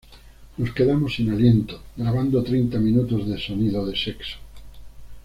Nos quedamos sin aliento grabando treinta minutos de sonidos de sexo".